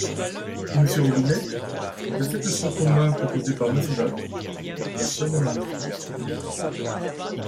Monsieur Robinet ?… J’accepte le front commun proposé par Monsieur Bapt ! Je retire mon amendement.